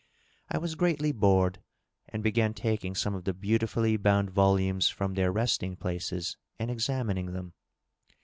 I was greatly bored, and began taking some of the beau tifully bound volumes from their resting places and examining them.